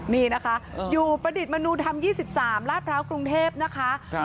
นี่นะคะอยู่ประดิษฐ์มนุษย์ธรรมยี่สิบสามราชพร้าวกรุงเทพนะคะครับ